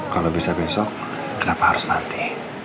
kalau bisa besok kenapa harus latih